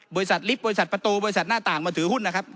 บริษัทลิฟต์บริษัทประตูบริษัทหน้าต่างมาถือหุ้นนะครับ